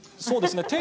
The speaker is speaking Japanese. そうですね